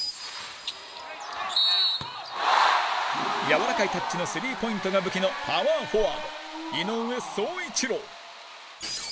やわらかいタッチのスリーポイントが武器のパワーフォワード、井上宗一郎